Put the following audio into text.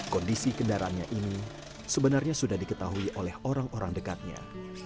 kondisi kendaraannya ini sebenarnya sudah diketahui oleh orang orang dekatnya